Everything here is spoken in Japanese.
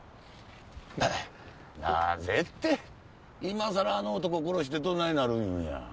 なぜって今さらあの男を殺してどないなる言うんや？